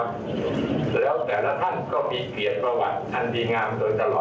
ยั่งตอนนี้นะครับแล้วแต่ละท่านก็มีเหตุภาพอันดีงามตลอดมา